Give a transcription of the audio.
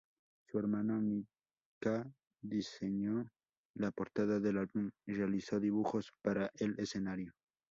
Su hermano Micah diseñó la portada del álbum y realizó dibujos para el escenario.